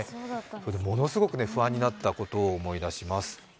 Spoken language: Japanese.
それでものすごく不安になったことを思い出します。